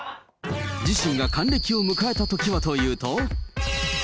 自身が還暦を迎えたときはというと。